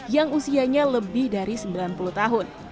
yang usianya lebih dari sembilan puluh tahun